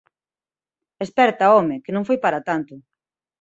Esperta, home, que non foi para tanto.